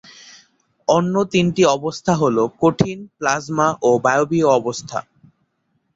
অন্য তিনটি অবস্থা হল কঠিন, প্লাজমা, ও বায়বীয় অবস্থা।